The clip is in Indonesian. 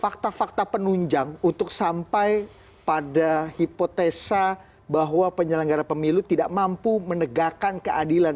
fakta fakta penunjang untuk sampai pada hipotesa bahwa penyelenggara pemilu tidak mampu menegakkan keadilan